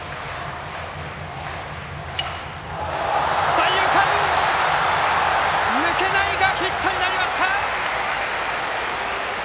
三遊間、抜けないがヒットになりました！